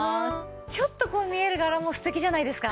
ちょっとこう見える柄も素敵じゃないですか。